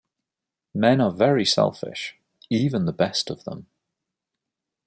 Men are very selfish, even the best of them.